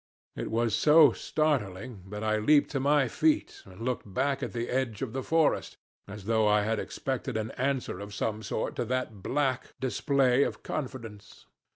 It was so startling that I leaped to my feet and looked back at the edge of the forest, as though I had expected an answer of some sort to that black display of confidence.